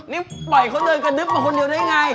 นี่ปล่อยเขาเดินกระดึ๊บมาคนเดียวได้ไง